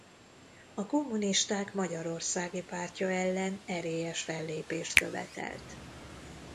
A Kommunisták Magyarországi Pártja ellen erélyes fellépést követelt.